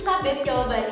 tuh kan aku udah udah